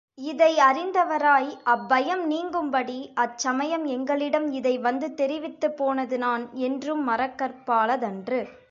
இதை அறிந்தவராய், அப் பயம் நீங்கும்படி அச்சமயம் எங்களிடம் இதை வந்து தெரிவித்துப் போனது நான் என்றும் மறக்கற்பாலதன்று.